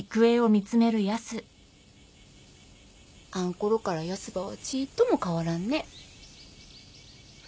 あんころからヤスばはちーっとも変わらんね。